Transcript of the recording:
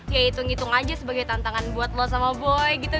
ya hitung hitung aja sebagai tantangan buat lo sama boy gitu